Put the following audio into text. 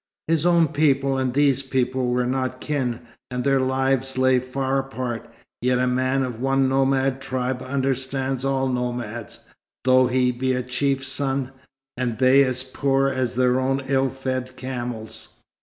His own people and these people were not kin, and their lives lay far apart; yet a man of one nomad tribe understands all nomads, though he be a chief's son, and they as poor as their own ill fed camels.